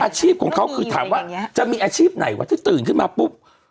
อาชีพของเขาคือถามว่าจะมีอาชีพไหนวะที่ตื่นขึ้นมาปุ๊บ